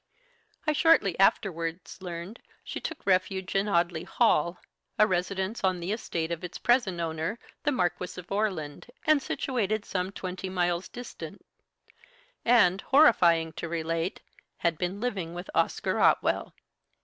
"I shortly afterwards learned she took refuge in Audley Hall, a residence on the estate of its present owner the Marquis of Orland, and situated some twenty miles distant, and, horrifying to relate, had been living with Oscar Otwell!